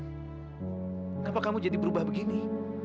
kenapa kamu jadi berubah begini